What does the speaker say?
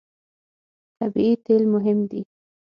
طبیعي تېل مهم دي.